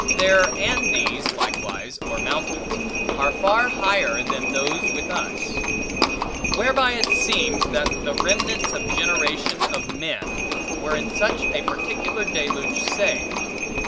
Their Andes, likewise, or mountains, are far higher than those with us; whereby it seems, that the remnants of generation of men, were in such a particular deluge saved.